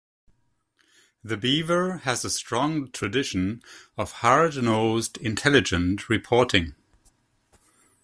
"The Beaver" has a strong tradition of hard-nosed, intelligent reporting.